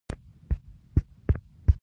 نظر د ټولنو ته په مختلفو نمونو نومول شوي.